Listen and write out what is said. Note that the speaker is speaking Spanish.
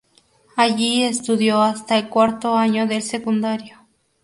Allí estudió hasta el cuarto año del Secundario.